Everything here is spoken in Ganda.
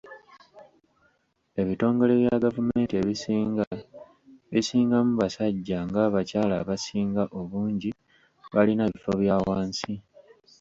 Ebitongole bya gavumenti ebisinga bisingamu basajja ng'abakyala abasinga obungi balina bifo bya wansi.